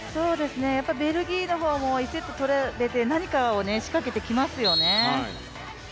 ベルギーの方も１セット取られて何かを仕掛けてきますよね。